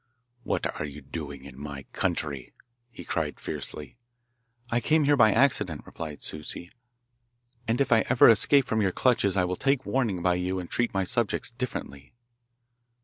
'What are you doing in my country?' he cried fiercely. 'I came here by accident,' replied Souci, 'and if I ever escape from your clutches I will take warning by you and treat my subjects differently.